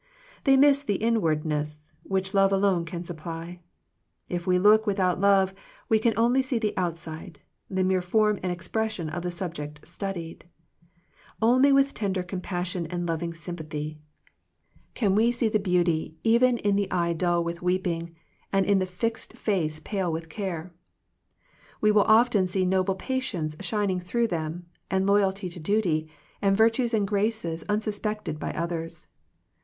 They miss the inwardness, which love alone can supply. If we look without love we can only see the outside, the mere form and expression of the subject studied. Only with tender compassion and loving sympathy can we see the 23 Digitized by VjOOQIC THE MIRACLE OF FRIENDSHIP beauty even in the eye dull with weep ing and in the fixed face pale with care. We will often see noble patience shining through them, and loyalty to duty, and virtues and graces unsuspected by others.